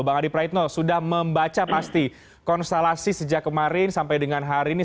bang adi praitno sudah membaca pasti konstelasi sejak kemarin sampai dengan hari ini